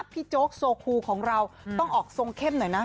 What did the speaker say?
โจ๊กโซคูของเราต้องออกทรงเข้มหน่อยนะ